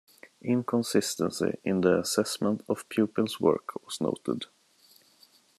Inconsistency in assessment of pupils work was noted.